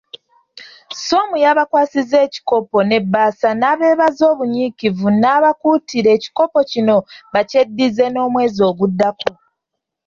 SOM y'abakwasizza ekikopo n'ebbaasa n'abeebaza obunyiikivu n'abakuutira ekikopo kino bakyeddize n'omwezi oguddako.